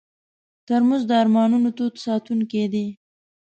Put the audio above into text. ترموز د ارمانونو تود ساتونکی دی.